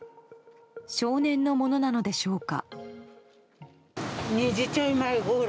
少年のものなのでしょうか。